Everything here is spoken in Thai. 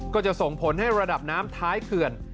ก็จะส่งผลให้ระดับน้ำท้ายเขื่อน